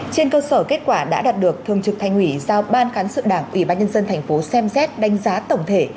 trên cơ sở kết quả đã đạt được thường trực thành ủy giao ban cán sự đảng ubnd thành phố xem xét đánh giá tổng thể